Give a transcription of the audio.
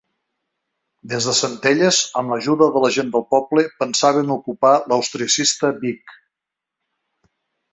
Des de Centelles, amb l'ajuda de la gent del poble, pensaven ocupar l'austriacista Vic.